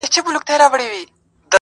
په سپوږمۍ كي زمـــا ژوندون دى.